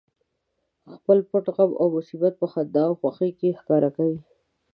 خپل پټ غم او مصیبت په خندا او خوښۍ کې ښکاره کوي